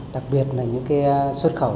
đặc biệt là những cái xuất khẩu